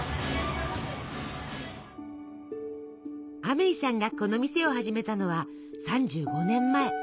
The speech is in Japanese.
アメイさんがこの店を始めたのは３５年前。